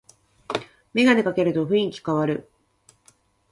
メガネかけると雰囲気かわる